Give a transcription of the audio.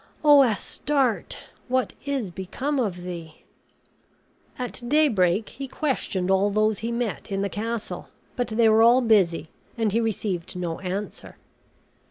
O Astarte! what is become of thee?" At daybreak he questioned all those he met in the castle; but they were all busy, and he received no answer.